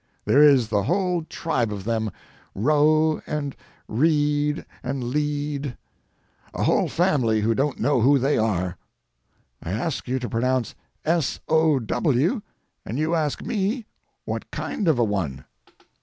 There is the whole tribe of them, "row" and "read" and "lead"—a whole family who don't know who they are. I ask you to pronounce s o w, and you ask me what kind of a one.